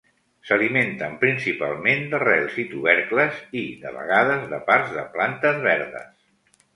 S'alimenten principalment d'arrels i tubercles i, de vegades, de parts de plantes verdes.